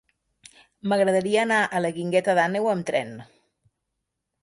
M'agradaria anar a la Guingueta d'Àneu amb tren.